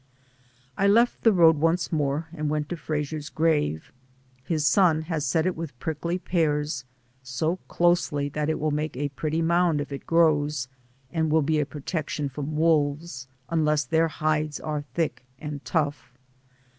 I left the road once more and went to Frasier's grave. His son has set it with prickly pears, so closely that it will make a pretty mound if it grows, and will be a protection from wolves, unless their hides are thick and tough.